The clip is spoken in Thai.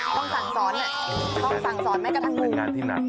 ต้องสั่งสอนนะต้องสั่งสอนแม้กระทั่งงู